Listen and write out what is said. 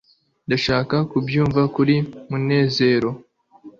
ndashaka kubyumva kuri munezero